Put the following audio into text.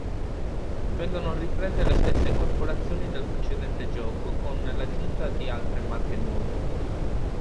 Vengono riprese le stesse corporazioni del precedente gioco, con l'aggiunta di altre marche nuove.